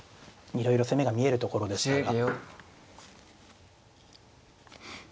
いろいろ攻めが見えるところですから。